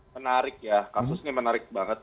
menarik ya kasusnya menarik banget